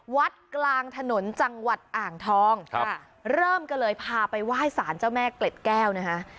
วัดกลางถนนจังหวัดอ่างทองครับเริ่มกันเลยพาไปไหว้สารเจ้าแม่เกล็ดแก้วนะคะ